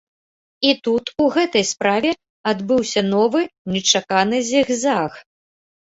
І тут у гэтай справе адбыўся новы нечаканы зігзаг.